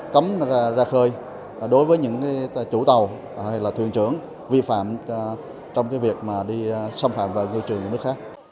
cấm ra khơi đối với những chủ tàu hay là thuyền trưởng vi phạm trong việc đi xâm phạm vào ngư trường của nước khác